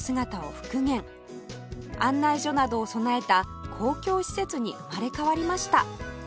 案内所などを備えた公共施設に生まれ変わりました